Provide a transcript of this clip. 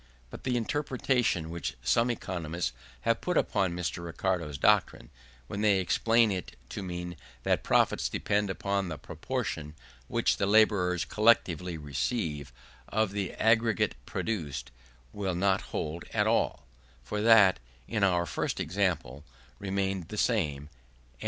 But the interpretation which some economists have put upon Mr. Ricardo's doctrine, when they explain it to mean that profits depend upon the proportion which the labourers collectively receive of the aggregate produce, will not hold at all; for that, in our first example, remained the same, and yet profits rose.